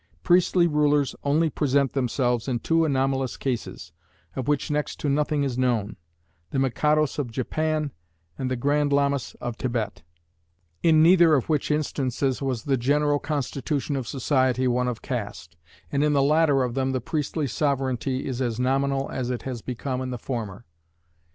Priestly rulers only present themselves in two anomalous cases, of which next to nothing is known: the Mikados of Japan and the Grand Lamas of Thibet: in neither of which instances was the general constitution of society one of caste, and in the latter of them the priestly sovereignty is as nominal as it has become in the former.